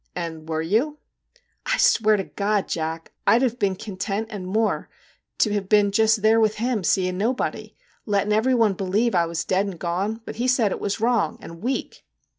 ' And were you ?'' I swear to God, Jack, I 'd have been con tent, and more, to have been just there with him, seein' nobody, letting every one believe I was dead and gone, but he said it was wrong, and weak!